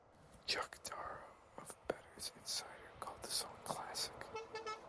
Chuck Darrow of "Bettors Insider" called the song "classic".